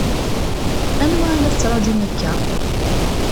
Anwa i la ttṛaǧun akka?